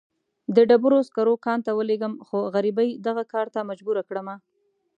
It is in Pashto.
د ډبرو سکرو کان ته ولېږم، خو غريبۍ دغه کار ته مجبوره کړمه.